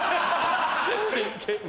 真剣に。